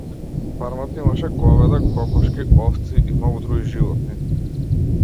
Фармата имаше говеда, кокошки, овци и многу други животни.